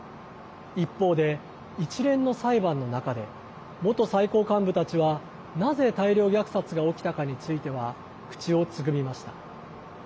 一方で、一連の裁判の中で元最高幹部たちはなぜ大量虐殺が起きたかについては口をつぐみました。